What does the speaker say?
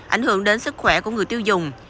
ảnh hưởng đến sức khỏe của người tiêu dùng